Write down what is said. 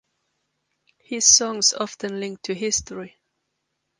His songs often link to history.